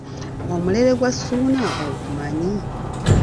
Omulere gwa Ssuuna ogumanyi?